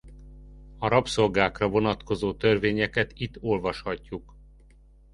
A rabszolgákra vonatkozó törvényeket itt olvashatjuk.